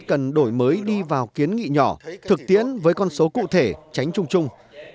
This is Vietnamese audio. cần đổi mới đi vào kiến nghị nhỏ thực tiễn với con số cụ thể tránh trung trung